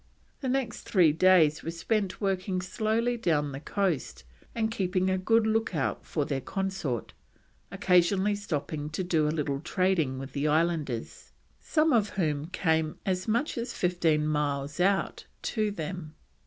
The next three days were spent working slowly down the coast and keeping a good look out for their consort, occasionally stopping to do a little trading with the islanders, some of whom came as much as fifteen miles out to them.